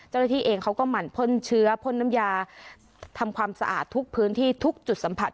เจ้าหน้าที่เองเขาก็หมั่นพ่นเชื้อพ่นน้ำยาทำความสะอาดทุกพื้นที่ทุกจุดสัมผัส